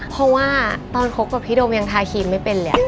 เพราะว่าตอนคบกับพี่โดมยังทาครีมไม่เป็นเลย